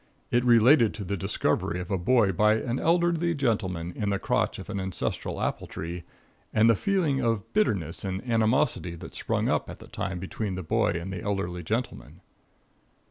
It related to the discovery of a boy by an elderly gentleman, in the crotch of an ancestral apple tree, and the feeling of bitterness and animosity that sprung up at the time between the boy and the elderly gentleman.